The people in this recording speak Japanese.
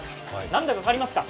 何だか分かりますか。